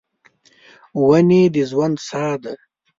ونې د ژوند ساه ده.